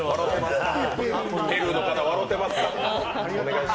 ペルーの方、笑てますか？